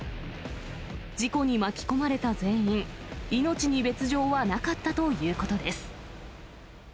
事故に巻き込まれた全員、命に別状はなかったということです。